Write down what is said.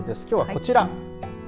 きょうはこちら。